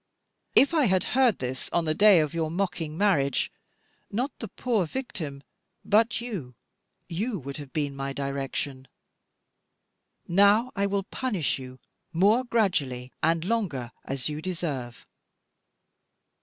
If I had heard this on the day of your mocking marriage, not the poor victim but you, you, would have been my direction. Now I will punish you more gradually, and longer, as you deserve.